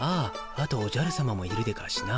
あとおじゃるさまもいるでガシな。